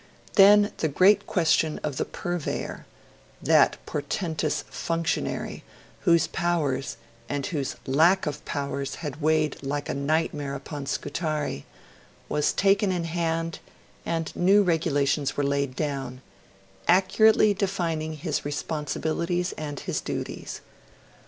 Then the great question of the Purveyor that portentous functionary whose powers and whose lack of powers had weighed like a nightmare upon Scutari was taken in hand, and new regulations were laid down, accurately defining his responsibilities and his duties.